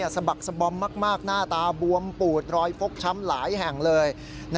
สะบักสบอมมากหน้าตาบวมปูดรอยฟกช้ำหลายแห่งเลย